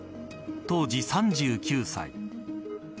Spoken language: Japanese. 当時３９歳。